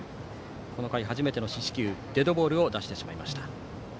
この回初めての四死球デッドボールを出してしまいました。